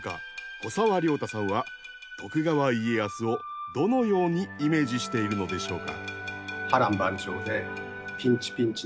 古沢良太さんは徳川家康をどのようにイメージしているのでしょうか？